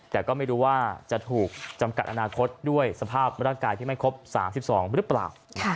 แต่ก็ไม่รู้ว่าจะถูกจำกัดอนาคตด้วยสภาพร่างกายที่ไม่ครบ๓๒หรือเปล่า